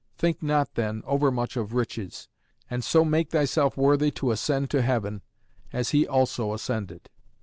Think not, then, overmuch of riches, and so make thyself worthy to ascend to heaven, as he also ascended."